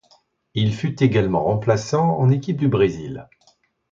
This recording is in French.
Il fut également remplaçant en équipe du Brésil.